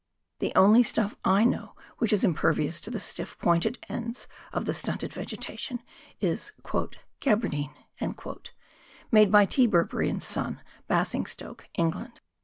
The only stuff I know which is impervious to the stiff pointed ends of the stunted vegetation, is " Gabardine," made by T. Burberry and Son, Basingstoke, England.